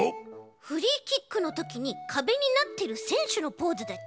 フリーキックのときにかべになってるせんしゅのポーズだち。